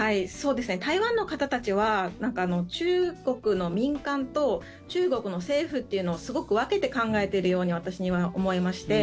台湾の方たちは中国の民間と中国の政府というのをすごく分けて考えているように私には思えまして。